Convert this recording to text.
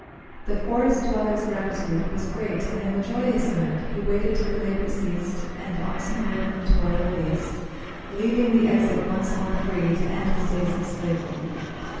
The forest dweller's gratitude Was great, and in a joyous mood He waited till the labour ceased, And oxen were from toil released, Leaving the exit once more free, To end his days of slavery.